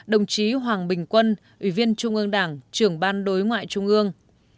hai mươi năm đồng chí hoàng bình quân ủy viên trung ương đảng trưởng ban đối ngoại trung ương